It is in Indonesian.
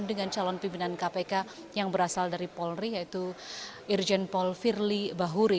dengan calon pimpinan kpk yang berasal dari polri yaitu irjen paul firly bahuri